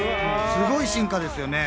すごい進化ですよね。